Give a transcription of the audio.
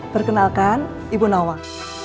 perkenalkan ibu noah